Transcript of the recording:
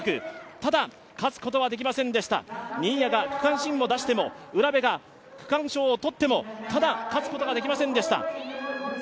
ただ、勝つことはできませんでした新谷が区間新を出しても、卜部が区間賞を取ってもただ、勝つことができませんでした